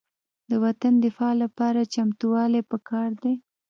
د وطن دفاع لپاره چمتووالی پکار دی.